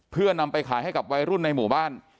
เพื่อนำไปขายให้กับวัยรุ่นในหมู่บ้าน